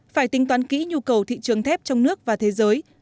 phải tính toán kỹ nhu cầu thị trường thép trong nước và thế giới